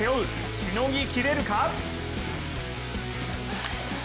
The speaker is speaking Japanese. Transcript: しのぎきれるか？